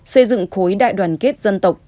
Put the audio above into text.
xây dựng khối đại đoàn kết dân tộc